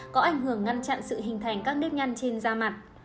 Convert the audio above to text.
có ảnh hưởng ngăn chặn sự hình thành các nếp nhăn trên da mặt